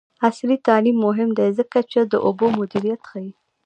عصري تعلیم مهم دی ځکه چې د اوبو مدیریت ښيي.